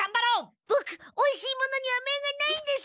ボクおいしいものには目がないんです。